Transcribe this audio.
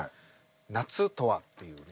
夏とはっていうね。